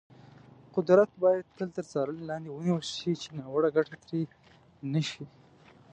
قدرت باید تل تر څارنې لاندې ونیول شي، چې ناوړه ګټه ترې نه شي.